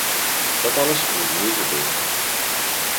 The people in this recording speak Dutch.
Dat alles moet nu gebeuren.